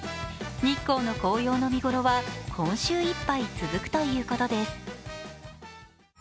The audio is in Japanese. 日光の紅葉の見頃は今週いっぱい続くということです。